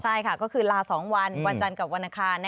ใช่ค่ะก็คือลา๒วันวันจันทร์กับวันอังคาร